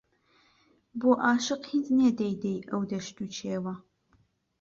بۆ ئاشق هیچ نێ دەی دەی ئەو دەشت و کێوە